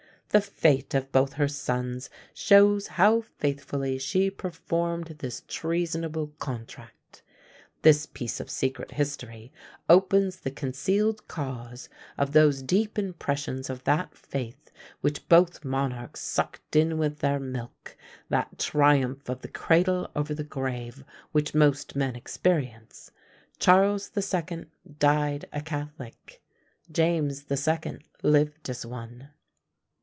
The fate of both her sons shows how faithfully she performed this treasonable contract. This piece of secret history opens the concealed cause of those deep impressions of that faith which both monarchs sucked in with their milk; that triumph of the cradle over the grave which most men experience; Charles the Second died a Catholic, James the Second lived as one.